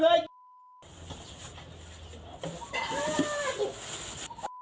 ตายได้หมดไปเลย